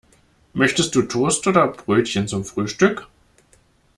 Möchtest du Toast oder Brötchen zum Frühstück?